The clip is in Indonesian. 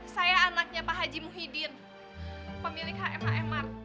saya anaknya pak haji muhyiddin pemilik hmh mr